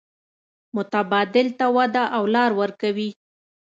متبادل ته وده او لار ورکوي.